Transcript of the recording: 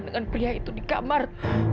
dengan pria itu di kamar